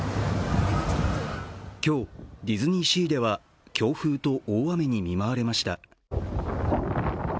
今日、ディズニーシーでは強風と大雨に見舞われました。